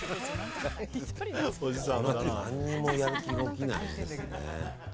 このあと、何にもやる気が起きない味ですね。